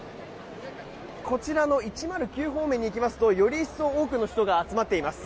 こちらの１０９方面に行きますとより一層多くの人が集まっています。